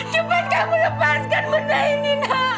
cepat kamu lepaskan benda ini ina